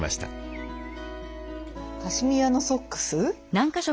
カシミヤのソックス。